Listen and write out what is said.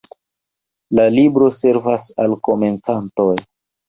La libro servas al komencantoj.